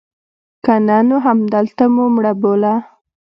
که نه نو همدلته مو مړه بوله.